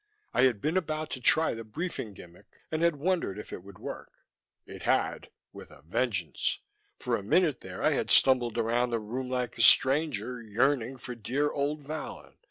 I had been about to try the briefing gimmick, and had wondered if it would work. It had with a vengeance. For a minute there I had stumbled around the room like a stranger, yearning for dear old Vallon.